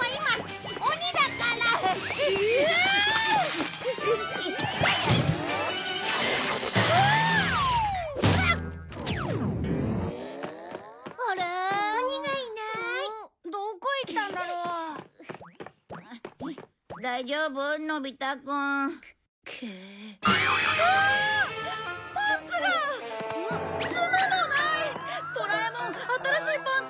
ドラえもん新しいパンツ出して！